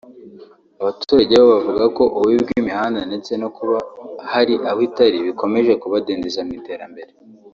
Abaturage bo bavuga ko ububi bw’imihanda ndetse no kuba hari aho itari bikomeje kubadindiza mu iterambere